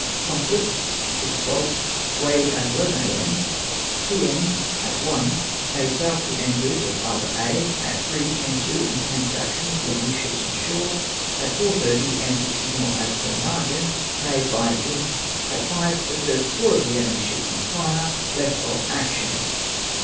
Conflid. Ships log. Weighed at 1 1 a.m. P.M. at 1 made sail for the anchorage of Isle d'Aix. At 3 came to, and commenced action Avith the enemy's ships on shore. At 4*30 answered signal as per margin* made by Imp . At 5 observed four of the enemy's ships on tire! left off action.